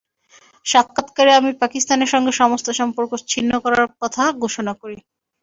সাক্ষাত্কারে আমি পাকিস্তানের সঙ্গে সমস্ত সম্পর্ক ছিন্ন করার কথা ঘোষণা করি।